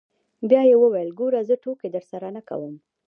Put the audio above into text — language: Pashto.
بيا يې وويل ګوره زه ټوکې درسره نه کوم.